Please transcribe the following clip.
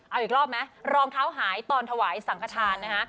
เอาอีกรอบไหมรองเท้าหายตอนถวายสังขทานนะคะ